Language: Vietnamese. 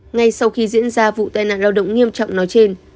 ngay sau khi diễn ra vụ tai nạn lao động nghiêm trọng nói trên